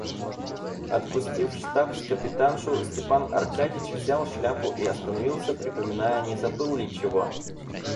Отпустив штабс-капитаншу, Степан Аркадьич взял шляпу и остановился, припоминая, не забыл ли чего.